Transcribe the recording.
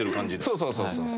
そうそうそうそう。